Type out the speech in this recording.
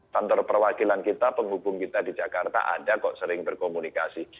kantor perwakilan kita penghubung kita di jakarta ada kok sering berkomunikasi